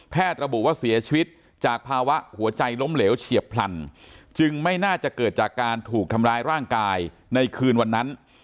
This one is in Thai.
ระบุว่าเสียชีวิตจากภาวะหัวใจล้มเหลวเฉียบพลันจึงไม่น่าจะเกิดจากการถูกทำร้ายร่างกายในคืนวันนั้น